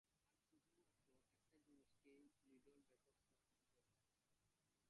আর শুধুমাত্র একটা জিনিসকেই রিডলব্যাকসরা ভয় পায়।